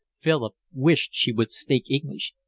Philip wished she would speak English.